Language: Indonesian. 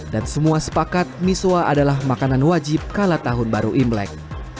dan semua sepakat miso kuah adalah makanan wajib kala tahun baru imlek